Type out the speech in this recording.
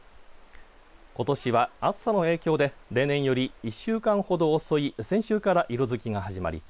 ことしは暑さの影響で例年より１週間ほど遅い先週から色づきが始まり